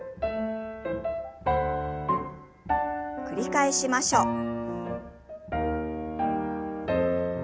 繰り返しましょう。